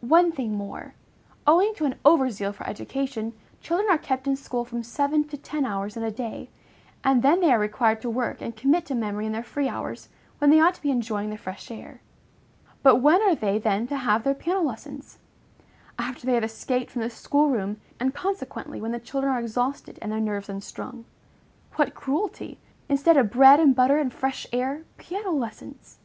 One thing more. Owing to an over zeal for education, children are kept in school from seven to ten hours in a day, and then they are required to work and commit to memory in their free hours, when they ought to be enjoying the fresh air. But when are they then to have their piano lessons? After they have escaped from the school room, and consequently when the children are exhausted and their nerves unstrung. What cruelty! Instead of bread and butter and fresh air, piano lessons!